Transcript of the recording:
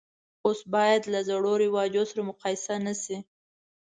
اوس باید له زړو رواجو سره مقایسه نه شي.